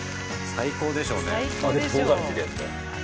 最高でしょう。